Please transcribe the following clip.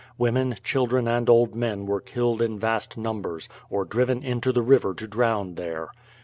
Women, children, and old men were killed in vast numbers, or driven into the river to drown there.